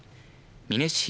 美祢市東